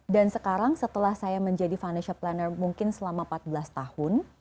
dan sekarang setelah saya menjadi financial planner mungkin selama empat belas tahun